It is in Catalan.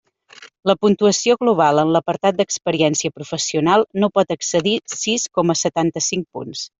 La puntuació global en l'apartat d'experiència professional no pot excedir sis coma setanta-cinc punts.